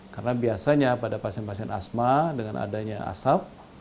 karena biasanya pada pasien pasien asma dengan adanya asap